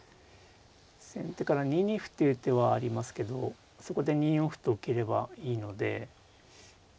先手から２二歩っていう手はありますけどそこで２四歩と受ければいいので。